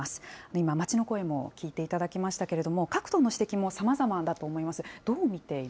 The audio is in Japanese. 今、街の声も聞いていただきましたけれども、各党の指摘もさまざまだと思います。